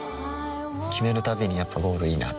決めるたびにやっぱゴールいいなってふん